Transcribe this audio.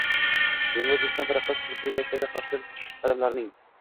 Yangi O‘zbekiston taraqqiyot strategiyasidagi xalqchil qadamlarng